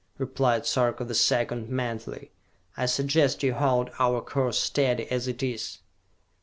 replied Sarka the Second, mentally. "I suggest you hold our course steady as it is!"